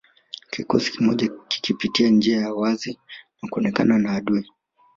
Kikosi kimoja kikipita njia ya wazi na kuonekana na adui